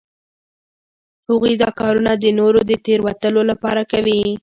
هغوی دا کارونه د نورو د تیروتلو لپاره کوي